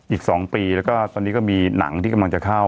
อีก๒ปีแล้วก็ตอนนี้ก็มีหนังที่กำลังจะเข้า